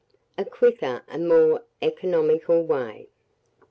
(A Quicker and more Economical Way.)